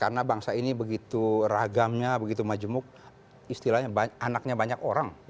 karena bangsa ini begitu ragamnya begitu majemuk istilahnya anaknya banyak orang